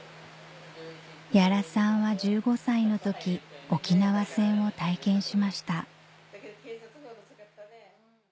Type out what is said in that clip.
屋良さんは１５歳の時沖縄戦を体験しました